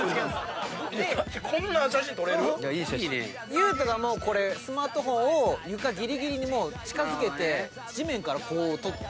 裕翔がスマートフォンを床ぎりぎりに近づけて地面からこう撮って。